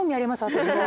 私も。